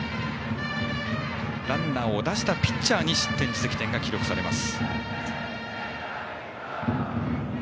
ランナーを出したピッチャーに失点自責点が記録されます。